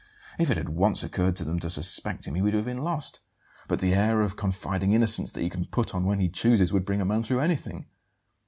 If it had once occurred to them to suspect him he would have been lost. But the air of confiding innocence that he can put on when he chooses would bring a man through anything.